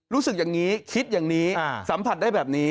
รู้สึกอย่างนี้คิดอย่างนี้สัมผัสได้แบบนี้